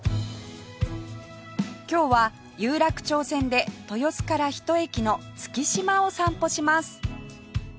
今日は有楽町線で豊洲からひと駅の月島を散歩します